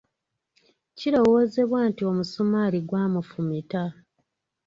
Kirowoozebwa nti omusumaali gwamufumita.